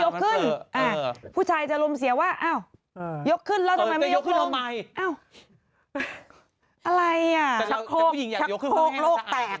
แต่ผู้หญิงอยากยกขึ้นเขาไม่ให้สะอายดูไหมคะ